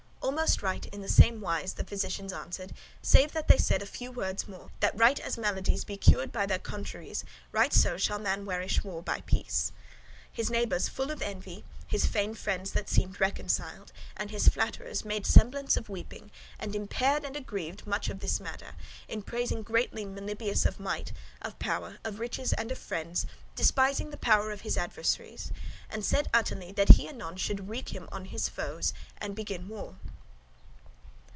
Almost right in the same wise the physicians answered, save that they said a few words more: that right as maladies be cured by their contraries, right so shall man warish war (by peace). His neighbours full of envy, his feigned friends that seemed reconciled, and his flatterers, made semblance of weeping, and impaired and agregged [aggravated] much of this matter, in praising greatly Melibœus of might, of power, of riches, and of friends, despising the power of his adversaries: and said utterly, that he anon should wreak him on his foes, and begin war.